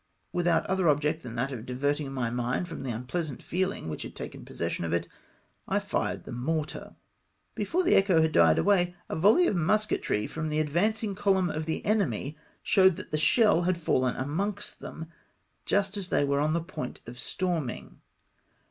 Without other object than that of diverting my mind from the unpleasant feehng which had taken possession of it, I fired the mortar. Before the echo had died away, a volley of musketry from the ad vancing column of the enemy showed that the shell had fallen amongst them, just as they were on the point of storming.